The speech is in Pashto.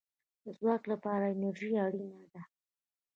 د ځواک لپاره انرژي اړین ده